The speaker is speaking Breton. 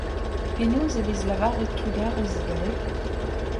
Penaos e vez lavaret trugarez e galleg ?